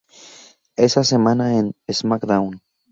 Esa semana en "SmackDown!